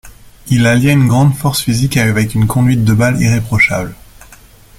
Il alliait une grande force physique avec une conduite de balle irréprochable.